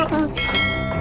kok badan kamu pada dingin